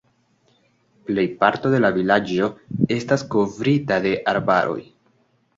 Plejparto de la vilaĝo estas kovrita de arbaroj.